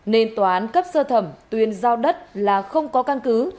nên tòa án cấp sơ thẩm tuyên giao đất là không có căn cứ